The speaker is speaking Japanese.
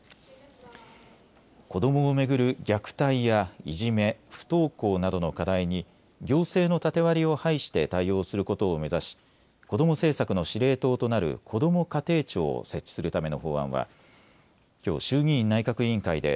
子どもを巡る虐待やいじめ、不登校などの課題に行政の縦割りを排して対応することを目指し子ども政策の司令塔となるこども家庭庁を設置するための法案はきょう衆議院内閣委員会で